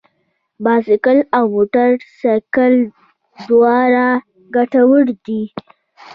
بايسکل او موټر سايکل دواړه ګټور دي.